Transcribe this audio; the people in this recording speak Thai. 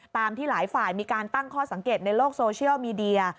ที่หลายฝ่ายมีการตั้งข้อสังเกตในโลกโซเชียลมีเดีย